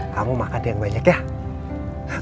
kamu makan yang banyak ya